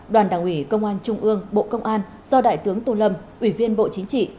đoàn đảng ủy công an trung ương bộ công an do đại tướng tô lâm ủy viên bộ chính trị